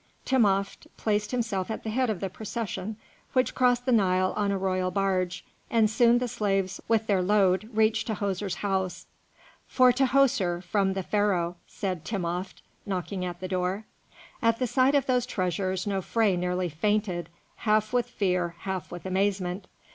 Timopht placed himself at the head of the procession, which crossed the Nile on a royal barge, and soon the slaves with their load reached Tahoser's house. "For Tahoser, from the Pharaoh," said Timopht, knocking at the door. At the sight of those treasures Nofré nearly fainted, half with fear, half with amazement.